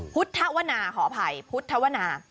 พุทธวนาขออภัยพุทธวนา